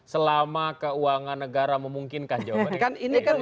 selama keuangan negara memungkinkan